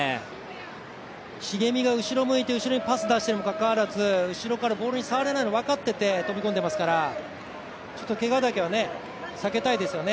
重見が後ろ向いて後ろにパス出しているにもかかわらず後ろからボールに触れないの分かってて、飛び込んでますからちょっとけがだけは避けたいですよね。